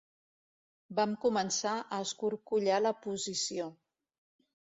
Vam començar a escorcollar la posició.